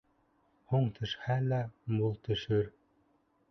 Һуң төшһә лә, мул төшөр.